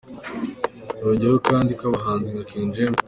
Yongeyeho kandi ko abahanzi nka King James,.